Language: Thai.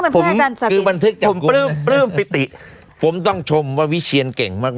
ผมคือบันทึกจับกุมผมต้องชมว่าวิเชียนเก่งมาก